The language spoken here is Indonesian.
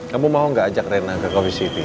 kamu mau gak ajak rena ke cov city